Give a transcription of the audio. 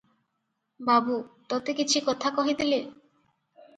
ବାବୁ- ତୋତେ କିଛି କଥା କହିଥିଲେ?